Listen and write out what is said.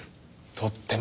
とっても。